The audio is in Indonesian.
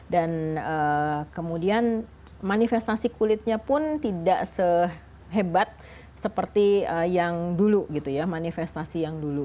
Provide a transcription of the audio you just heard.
dan kemudian manifestasi kulitnya pun tidak sehebat seperti yang dulu gitu ya manifestasi yang dulu